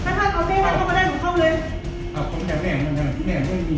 นี่มันใหญ่หัวเหงื่อว่าอะไรบ้างตามงาน